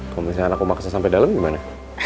kalau misalnya anakku maksa sampai dalem gimana